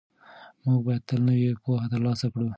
موږ باید تل نوې پوهه ترلاسه کړو.